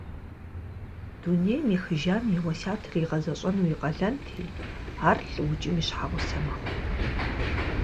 Дунейм ехыжам и уэсятыр игъэзэщӏэну и къалэнти, ар лӏыукӏым и щхьэгъусэ мэхъу.